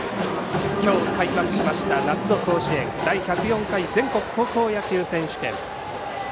今日開幕した夏の甲子園第１０４回全国高校野球選手権。